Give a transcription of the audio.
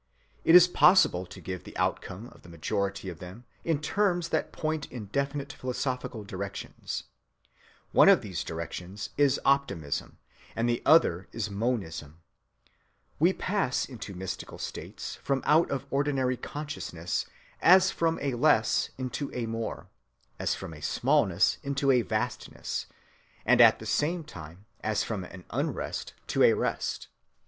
It is possible to give the outcome of the majority of them in terms that point in definite philosophical directions. One of these directions is optimism, and the other is monism. We pass into mystical states from out of ordinary consciousness as from a less into a more, as from a smallness into a vastness, and at the same time as from an unrest to a rest.